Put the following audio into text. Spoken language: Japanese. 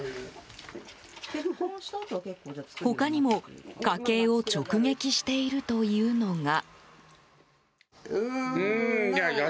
他にも、家計を直撃しているというのが。